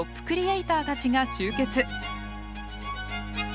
クリエイターたちが集結。